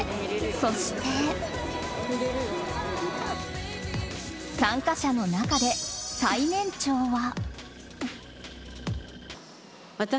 そして、参加者の中で最年長は。